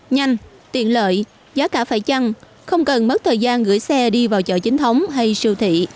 nhanh tiện lợi giá cả phải chăng không cần mất thời gian gửi xe đi vào chợ chính thống hay siêu thị